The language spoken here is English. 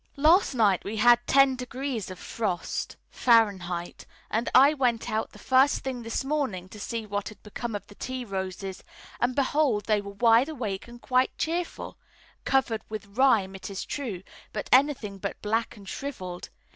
Last night we had ten degrees of frost (Fahrenheit), and I went out the first thing this morning to see what had become of the tea roses, and behold, they were wide awake and quite cheerful covered with rime it is true, but anything but black and shrivelled.